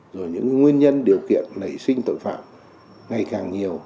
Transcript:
rồi những nguyên nhân điều kiện nảy sinh tội phạm ngày càng nhiều